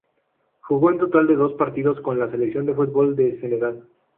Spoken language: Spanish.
Jugó un total de dos partidos con la selección de fútbol de Senegal.